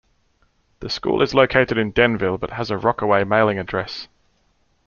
The school is located in Denville but has a Rockaway mailing address.